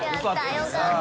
よかった。